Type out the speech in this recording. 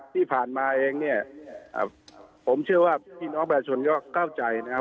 ที่ผ่านมาเองเนี่ยผมเชื่อว่าพี่น้องประชาชนก็เข้าใจนะครับ